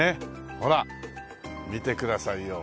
ほら見てくださいよ。